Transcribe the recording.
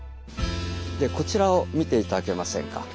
こちらを見て頂けませんか。